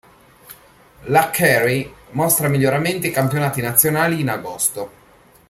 La Carey mostra miglioramenti ai Campionati Nazionali in Agosto.